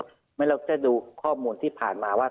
เพราะฉะนั้นเราจะดูข้อมูลที่ผ่านมาว่า